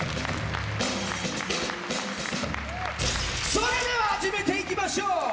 それでははじめていきましょう！